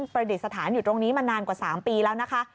ประดิษฐานอยู่ตรงนี้มานานกว่า๓ปีแล้วนะคะ